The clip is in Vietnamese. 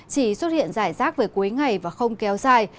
chỉ xuất hiện rải rác về cuối ngày và không kéo dài